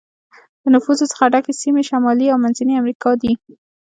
د نفوسو څخه ډکې سیمې شمالي او منځنی امریکا دي.